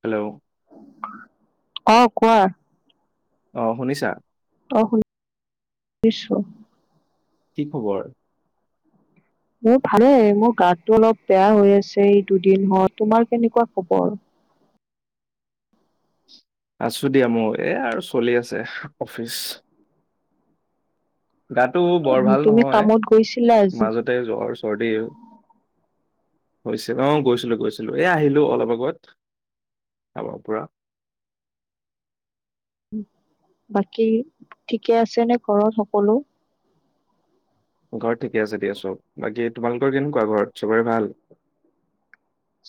Hello অ কোৱা অ শুনিছা অ শুনিছোঁ কি খবৰ মোৰ ভালে মোৰ গাতটো অলপ বেয়া হৈ আছে এই দুদিনত তোমাৰ কেনেকুৱা খবৰ আছো দিয়া মোৰ এ আৰু চলি আছে অফিচ গাটো বৰ ভাল তুমি নহয় কামত গৈছিলা আজি মাজতে জ্বৰ চৰ্দি হৈছে অ', গৈছিলো- গৈছিলো এ ', আহিলো অলপ আগত কামৰ পৰা। উম ', বাকী ঠিকে আছে নে ঘৰত সকলো? ঘৰত ঠিকে আছে দিয়া চব বাকী তোমালোকৰ কেনেকুৱা ঘৰত চবৰে ভাল?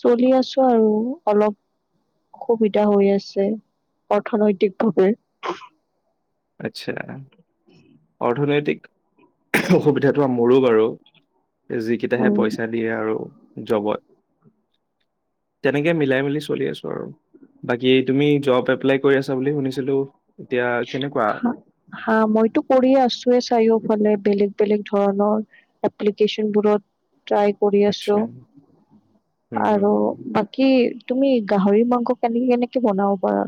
চলি আছো আৰু অলপ সুবিধা হৈ আছে অৰ্থনৈতিক ভাৱে। আচ্ছা। অৰ্থনৈতিক অসুবিধাটো মোৰো বাৰু। যিকেইটাহে উম, পইচা দিয়ে আৰু জবত। তেনেকে মিলাই মিলি চলি আছো আৰু বাকী তুমি জব এপ্লাই কৰি আছা বুলি শুনিছিলো এতিয়া কেনেকুৱা দিচুৱে চাৰিওফালে বেলেগ -বেলেগ ধৰণৰ এপ্লিকেচনবোৰত ট্ৰাই কৰি আচ্ছা আছো হম হম আৰু হম বাকী তুমি গাহৰি মাংস কেনেকে -কেনেকে বনাব পাৰা?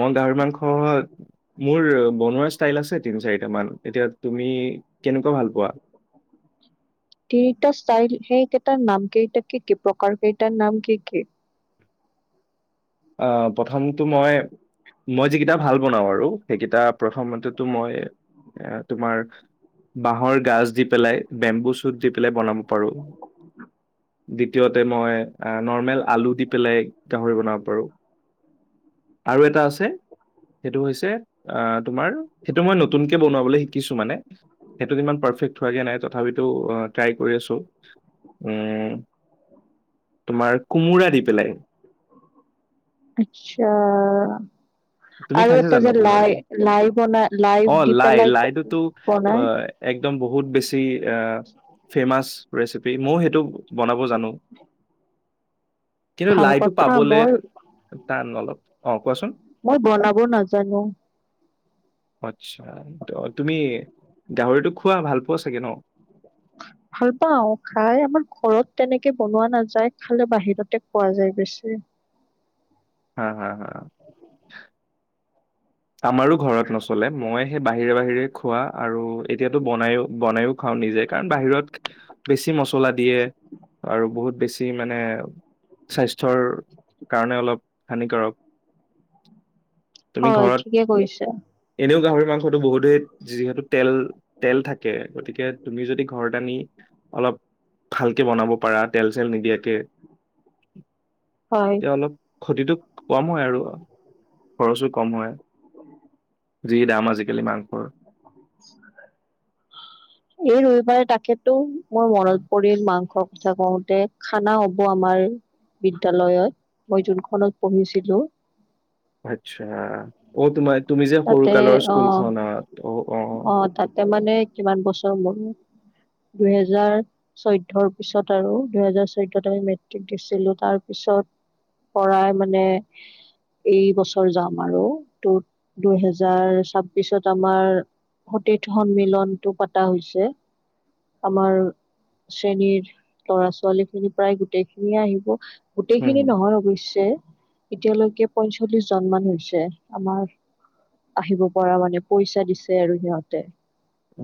মই গাহৰি মাংস, মোৰ বনোৱা ষ্টাইল আছে তিন চাৰিট মান এতিয়া তুমি কেনেকুৱা ভাল পোৱা? তিনিটা ষ্টাইল সেইকেইটাৰ নাম কেইটা কি', - কি', প্ৰকাৰ কেইটাৰ নাম কি', - কি',? আহ', প্ৰথমটো মই -মই যিকেইটা ভাল বনাওঁ আৰু সেইকেইটা প্ৰথমতেতো মই এ', তোমাৰ বাহৰ গাজ দি পেলাই বেম্বু চুট দি পেলাই বনাব পাৰো । দ্বিতীয়তে মই নৰ্মেল আলু দি পেলাই গাহৰি বনাও পাৰো, আৰু এটা আছে সেটো হৈছে আঁহ ', তোমাৰ সেটো মই নতুনকে বনাবলে শিকিছো মানে সেইটোত ইমান পাৰ্ফেক্ট হুৱাগে নাই তথাপিতো অ', ট্ৰাই কৰি আছোঁ। উম ', তোমাৰ কোমোৰা দি বেলেগ আচ্ছা', তুমি আৰু খাইছা এটা জানো যে কোমোৰ লাই এদিন লাই বনাই লাই অ' দি লাই পেলাই লাইটোতো বনাই অ' একদম বহুত বেছি এ ফেমাছ ৰেচিপি ময়ো সেইটো বনাব জানো। কিন্তু ভাল লাইটো কথা পাবলৈ মই টান অলপ। অ' কোৱাচোন? মই বনাব নাজানো। আচ্ছা' তুমি গাহৰিটো খোৱা ভাল পোৱা চাগে ন? ভাল পাওঁ খাই আমাৰ ঘৰত তেনেকে বনোৱা নাযায় খালে বাহিৰতে খোৱা যায় বেছি। হা-হা-হা, উ, [unintelligible] আমাৰো ঘৰত নচলে, মই সেই বাহিৰে-বাহিৰে খোৱা আৰু এতিয়াতো বনাইও- বনাইও খাওঁ নিজে কাৰণ বাহিৰত বেছি মছলা দিয়ে আৰু বহুত বেছি মানে স্বাস্থ্যৰ কাৰণে অলপ হানিকাৰক। তুমি হয় ঘৰত ঠিকে কৈ কৰিছা। এনেও গাহৰি মাংসটো বহুতেই যিহেতু তেল-তেল থাকে গতিকে তুমি যদি ঘৰত আনি অলপ ভালকে বনাব পাৰা তেল চেল নিদিয়াকে, হয় এতি অলপ ক্ষতিটো কম হয় আৰু খৰচো কম হয়। যি দাম আজিকালি মাংসৰ, এই ৰবিবাৰে তাকেতো মোৰ মনত পৰিল মাংস কথা কওঁতে খানা হ'ব আমাৰ বিদ্যালয়ত মই যোনখনত পঢ়িছিলো। আচ্ছা, অ' তোমাৰ তুমি যে সৰু তাতে কালৰ অ স্কুলখন অ-অ, অ তাতে মানে কিমান বছৰ, মোৰ দুহেজাৰ চৈধ্য পিছত আৰু দুহেজাৰ চৈধ্যত আমি মেট্ৰিক দিছিলো তাৰ পিছত পৰাই মানে এই বছৰ যাম আৰু ত দুহেজাৰ ছাব্বিচত আমাৰ সতীৰ্থ সন্মিলনতটো পতা হৈছে। আমাৰ শ্ৰেণীৰ লৰা ছোৱালী খিনি প্ৰায় গোটেইখিনিয়ে আহিব। হুম গোটেইখিনি হুম নহয় অৱশ্যে এতিয়ালৈকে পঞ্চল্লিশ জন মান হৈছে আমাৰ। আহিব পৰা মানে পইচা দিছে আৰু সিহঁতে,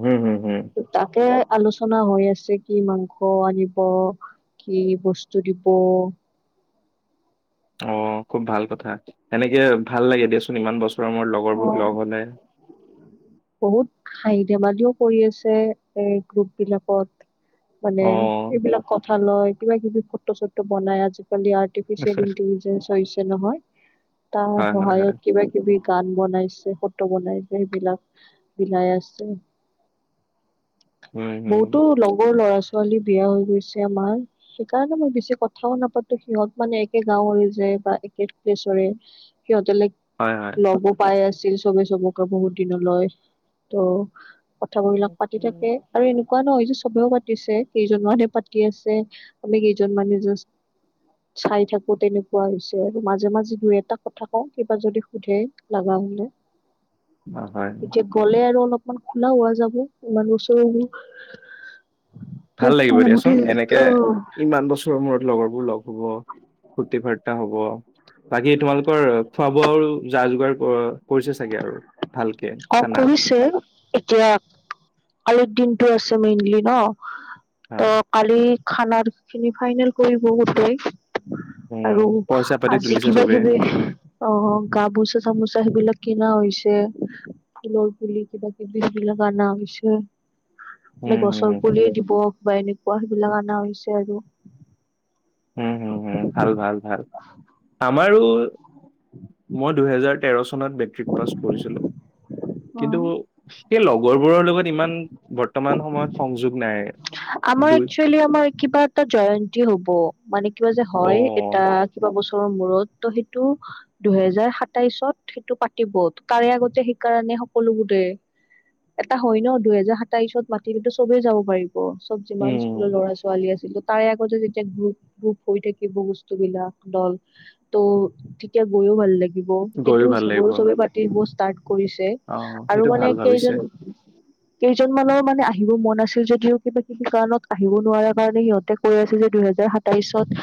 হম-হম-হম, তাকে আলোচনা হৈ আছে কি মাংস আনিব কি বস্তু দিব, অ', খুব ভাল কথা এনেকে ভাল লাগে দেিয়চোন ইমান বছৰ, লগৰবোৰ লগ হলে, বহুত হাঁহি ধেমালিও কৰি আছে এই গ্ৰুপ বিলাকত। অ মানে এইবিলাক কথা ভাল হয় কিবা কিবি ফটো চটো বনাই আজি [unintelligible] আৰ্‌টিৰ্ফিচিয়েল ইণ্টেলিজেঞ্চ হৈছে নহয় তাৰ হয় হয় হয় সহায়ত কিবা কিবি গান বনাইছে, ফটো বনাইছে সেইবিলাক। বিলাই আছে। উম হম বহুতো লগৰ ল'ৰা ছ ছোৱালী বিয়া হৈ গৈছে আমাৰ। সেইকাৰণে মই বেছি কথাও নাপাতো। সিহঁত মানে একে গাঁৱৰে যায় বা একে প্লেছৰে। সিহঁতে লাইক হয় হয় লগো পাই আছে ছিল চবে সবকে বহত দিনত লয়। তো কথা [unintelligible] বিলাক পাতি থাকে আৰু এনে কুৱা ন এইযু চবেও পাতিছে কেইজনমানে পাতিয়ে আছে। আমি কেইজনমানে জাষ্ট চাই থাকো তেনেকুৱা হৈছে। মাজে দুই এটা কথা কওঁ কিবা যদি সোধে লাগা হলে। অ হয় এতিয়া গ'লে আৰু অলপ ইমান খুলা হোৱা যাব ইমান [unintelligible] ভাল মোকতো লাগিব দিয়াচোন বহুতে এনেকে অ ইমান বছৰৰ মূৰত লগৰবোৰ লগ হব ফূৰ্তি ফাৰ্তা হব। বাকী তোমালোকৰ খোৱা বোৱা আৰু যা যোগাৰ ক - কৰিছে চাগে আৰু? ভালকে অ' খানা কৰিছে। এতিয়া কালিৰ দিনটো আছে মেইনলি ন। তো হয় কালি খানাৰ খিনি ফাইনেল কৰিব গোটেই। আৰু উম পইচা পাতি আজি তুলিছে কিবা চবে কিবি অ গামোচা চামোচা সেইবিলাক কিনা হৈছে। ফুলৰ পুলি, কিবা কিবি সেইবিলাক আনা হৈছে। নে উম গছৰ হম পুলিয়ে দিব বা এনে [unintelligible] সিবিলাক অনা হৈছে আৰু উম হম হম। ভাল ভাল ভাল। আমাৰো মই দুহেজাৰ তেৰ চনত মেট্ৰিক পাছ কৰিছিলো অ কিন্তু এ লগৰ বোৰৰ লগত ইমান বৰ্ত বৰ্তমান সময়ত সংযোগ নাই আমাৰ দুই একচুৱেলি আমাৰ কিবা এটা জয়ন্তী হব মানে কিবা যে অ হয় এটা কিবা বস্তু মূৰত ত সেইটো দুহেজাৰ সাতাইশত সেইটো পাতিব তাৰে আগতে সেইকাৰণে সকলোবোৰে এটা হয় ন দুহেজাৰ সাতাইশত মাতিলে তু চবেই যাব পাৰিব অ চব যিমান উম স্কুলৰ ল'ৰা ছোৱালী আছে তাৰে আগতে যেতিয়া গ্ৰুপ গ্ৰুপ হৈ থাকিব বস্তুবিলাক দল ত' তেতিয়া গৈও ভাল লাগিব পাতিব সেইটো গৈয়ো ভাল লাগিব চবে চবে অ পাতিব ষ্টাৰ্ট কৰিছে আৰু সেইটো মানে ভাল ভাবিছে কেইজন কেইজনমানৰ মানে আহিব মন আছিল যদিও কিবা কিবি কাৰণত আহিব নোৱাৰা কাৰণে সিহঁতে কৈ আছে যে দুহেজাৰ সাতাইশত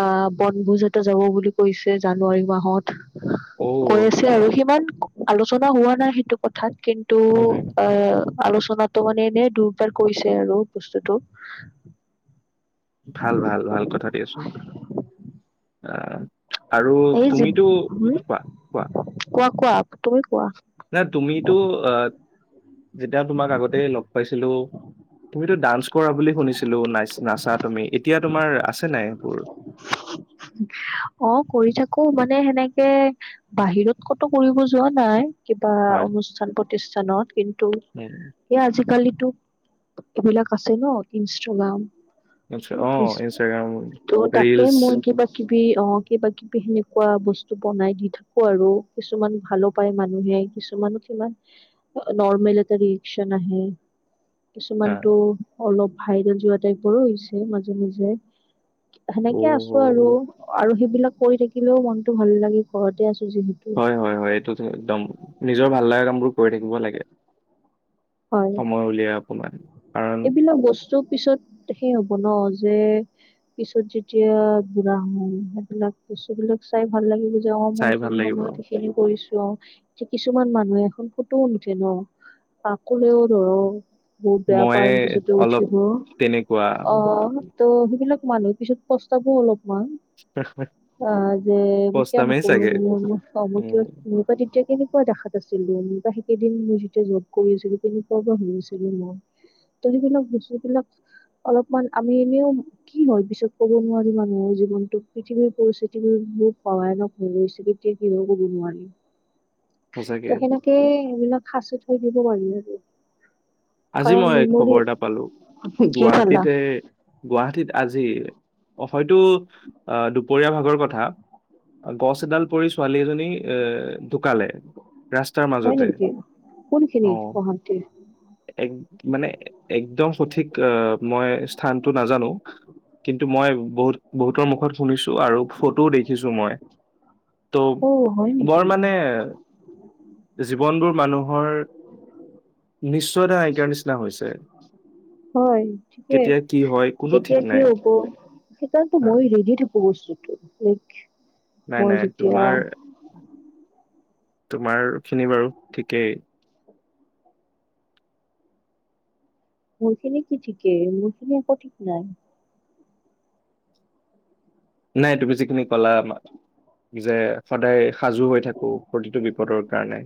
আহ বনভোজ এটা যাব বুলি কৈছে জানুৱাৰী মাহত অ কৈ আছে আৰু সিমান আলোচনা হোৱা নাই সেইটো কথাত কিন্তু হম আ আলোচনাটো মানে এনে দুৰবাৰ কৰিছে তাকে আৰু বস্তুটো ভাল ভাল ভাল কথা দিয়াচোন অ আৰু এই যি তুমিতো হম কোৱা কোৱা কোৱা কোৱা তুমি কোৱা না তুমিতো অ যেতিয়া তোমাক আগতেই লগ পাইছো তুমিতো ডান্স কৰা বুলি শুনিছিলো নাচ নাচা তুমি এতিয়া তোমাৰ আছে নাই সেইবোৰ অ কৰি থাকো মানে সেনেকে বাহিৰত কতো কৰিব যোৱা নাই কিবা হয় অনুষ্ঠান প্ৰতিষ্ঠানত কিন্তু উম, এই আজিকালি এইবিলাক আছে ন ইনষ্টাগ্ৰাম আচ্ছা অ ইনষ্টাগ্ৰাম ত' তাতে ৰিলচ মই কিবা কিবি অ কিবা কিবি সেনেকুৱা বস্তু বনাই দি থাকো আৰু কিছুমান ভালো পায় মানুহে কিছুমান সিমান নৰ্মেল এটা ৰিয়েকচন আহে হা কিছুমানটো অলপ ভাইৰেল যোৱা টাইপৰো হৈছে মাজে মাজে অ সেনেকে আছো আৰু আৰু সি এই বিলাক কৰি থাকিলেও মনতো ভাল লাগে ঘৰতে আছো যিহেতু হয় হয় হয় এইটোত একদম নিজৰ ভাল লগা কামবোৰ কৰি থাকিব লাগে হয় সময় উলিয়াই অকণমান এইবিলাক বস্তু পিছত সে হ'ব পিছত যেতিয়া বুঢ়া হম সেইবিলাক বস্তু বিলাক চাই ভাল লাগে চাই ভাল সেইখিনি লাগিব সময়ত এইখিনি কৰিছো এ কিছুমান মানুহে এখন ফুটো নুঠে ন আ কলেও ধৰ হ ত মই পতে অলপ উঠিব তেনেকুৱা অ ত সেইবিলাক মানুহ পিছত প্ৰস্তাৱো অলপ যে মই কিয় পস্তামেই নকৰো চাগে উম মই কা তেতিয়া কেনেকুৱা দেখাত আছিলো বা সেইকেইদিন মই যেতিয়া জব কৰিছিলো কেনেকুৱা বা হৈছিলো মই ত সবিলাক ব্তুবিলাক অলপমান আমি এনেও কি হয় পিছত কব নোৱাৰি মানুহৰ জীৱনটো পৃথিৱীৰ পৰিস্থিতি বোৰ বহুত ভয়ানক হৈ গৈছে কেতিয়া কি হয় কব নোৱাৰি সঁচাকে ত' সেনেকে সেইবিলাক সাচি থৈ দিব পাৰি আৰু আজি কাৰণ মই মেমৰি খবৰ এটা পালো কি পালা গুৱাহাটীতে গুৱাহাটীত আজি হয়তো আহ দুপৰীয়া ভাগৰ কথা গছ এডাল পৰি ছোৱালী এজনী এ ঢুকালে ৰাস্তাৰ হয় মাজতে নেকি কোনখিনি অ পাহাৰতে এক মানে একদম সঠিক মই স্থানতটো নাজানো কিন্তু মই বহুত বহুতৰ মুখত শুনিছো আৰু ফটোও দেখিছো মই ত' অ হয় বৰ নেকি মানে জীৱনবোৰ মানুহৰ নিশ্চ নাইকিয়া‌ নিচিনা হৈছে হয় থিকেই কেতিয়া কি হয় কোনো ঠিক কেতিয়া কি নাই হ'ব সেইকাৰণো হয়। মই ৰেডি থাকো বস্তুত ও নাই নাই তোমাৰ তোমাৰ খিনি বাৰু ঠিকেই মোৰ খিনি কি ঠিকেই মোৰ খিনি একো ঠিক নাই নাই তুমি যিখিনি কলা যে সদায় সাজু হৈ থাকো প্ৰতিটো বিপদৰ কাৰণে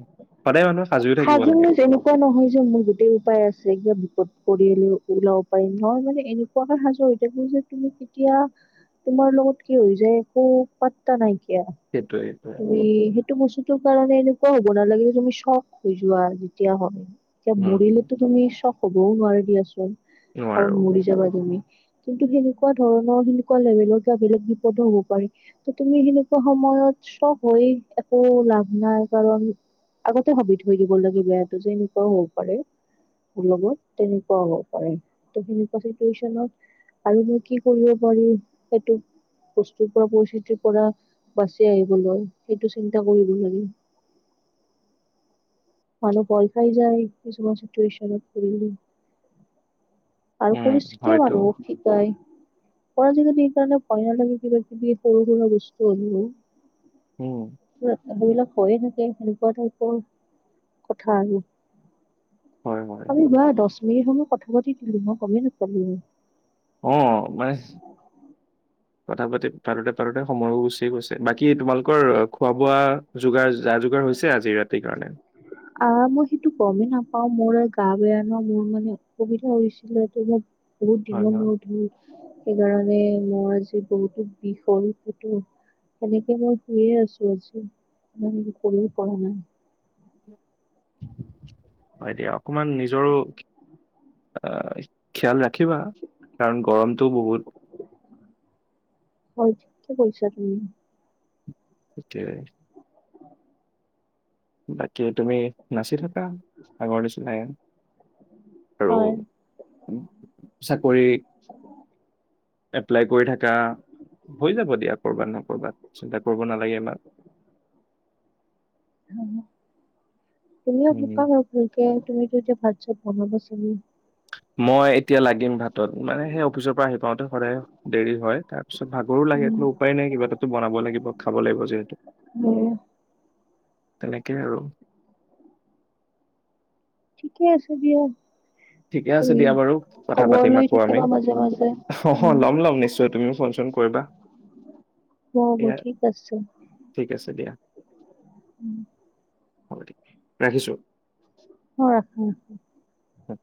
সদায় মানুহ সাজো মই এনেকুৱা নহয় যে মোৰ গোতেই উপায় আছে ক পৰিয়াল ওলাব পাৰিম নহয় মানে এনেকুৱাকে সাজু হৈ থাকো যে তুমি কেতিয়া তোমাৰ লগত কি হৈ যায় একো পাত্তা নাইকি নাইকিয়া সেইটোৱে সেইটোৱে। সেইটো বস্তু সেইটো কাৰণে এনেকুৱা হ'ব নালাগে যে তুমি চব শুই যোৱা যেতিয়া হয় এতিয়া উম মৰিলে তো তুমি হ'বও নোৱাৰি দিয়াচোন কাৰণ নোৱাৰো মৰি যাবা তুমি কিন্তু সেনেকুৱা ধৰণৰ সেনেকুৱা লেভেলত ক বেলেগ বিপদো হব পাৰি ত তুমি সেনেকুৱা সময়ত সব হৈ একো লাভ নাই কাৰণ আগতে হবিধা লাগীয়া যেনেকুৱাও হব পাৰে মোৰ লগত তেনেকুৱাও হ'ব পাৰে ত সেনেকুৱা চিটুৱেচনত আৰু মই কি কৰিব পাৰি সেইটো বস্তুৰ পৰা পৰিস্থিতিৰ পৰা বাচি আহিবলৈ সেইটো চিন্তা কৰিব লাগে মানুহ ভয় খাই যায় কিছুমান চিটুৱেচনত পৰি আৰু উম পৰিস্থিতিয়ে হয়তো মানুহক শিকাই মই আজিকালি সেইকাৰণে পই লাগি পেলাই কিবা কিবি সৰু সৰু বস্তু আ উম এইবিলাক হয়য়ে থাকে সেনেকুৱা টাইপৰ কথা আৰু হয় হয় হয়। আমি যোৱা দহ মিনিট সময় কথা পতি দিলি মই গমেই নাপালো অ মানে কথা পাতি পাতোতে পাতোতে সময় গুচি গৈছে বাকী তোমালোকৰ খোৱা বোৱা যোগাৰ যা যোগাৰ হৈছে আজি ৰাতিৰ কাৰণে আহ মই সেইটো গমেই নাপাওঁ মোৰ এ গা বেয়া ন মোৰ মানে অসুবিধা হৈছিলে ত মোৰ বহুত হয় দিনৰ হয় মূৰত ধূলো সেইকাৰণে মোৰ আজি বহুতো বিষ হ'ল ত সেনেকে মই শুইয়ে আছো আজি মই কৰিব পৰা নাই হয় দিয়ক অকণমান নিজৰো অ খিয়াল ৰাখ ৰাখিবা কাৰণ গৰমটোও বহুত হয় কি কৰিছা তুমি [unintelligible] বাকী তুমি নাচি থাকা আগৰ নিচিনাকে আৰু হয় চাকৰি এপ্লাই কৰি থাক আহ হৈ যাব দিয়া কৰবাত নহয় কৰ'বাত চিন্তা কৰিব নালাগে ইমান উম তুমিও উম শুকাম ভুলকে তুমিটো যে ভাল আ বনাব চাবি মই এতিয়া লাগিম ভাতত মানে সেই অফিচৰ পৰা আহি পাওঁতে সদায় দেৰি হয় তাৰ পিছত ভাগৰো লাগে উম তহ উপায় নাই কিবা এটাতো বনাব লাগিব খাব লাগিব যিহেতু উম তেনেকেই আৰু ঠিকে আছে দিয়া ঠিকে আছে তুমি দিয়া বাৰু কথা খবৰ পাতিম লৈ আকৌ আমি থাকিবা মাজে মাজে অ উম ল'ম লম নিশ্চয় তুমিও ফোন চোন কৰিবা হ'ব এয়া ঠিক আছে ঠিক আছে দিয়া উম হব ৰাখিছো অ ৰাখো ৰাখ উ